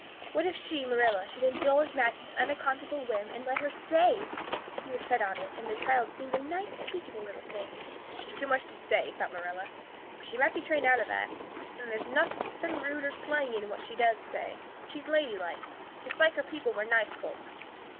What if she, Marilla, should indulge Matthew's unaccountable whim and let her stay? He was set on it; and the child seemed a nice, teachable little thing. "She's got too much to say," thought Marilla, "but she might be trained out of that. And there's nothing rude or slangy in what she does say. She's ladylike. It's likely her people were nice folks."